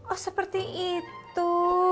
oh seperti itu